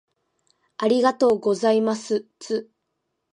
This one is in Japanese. ありがとうございますつ